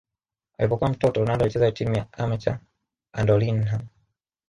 Alipokuwa mtoto Ronaldo alicheza timu ya amateur Andorinha